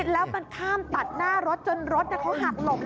แล้วมันข้ามตัดหน้ารถจนรถเขาหักหลบ